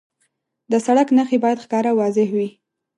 د سړک نښې باید ښکاره او واضح وي.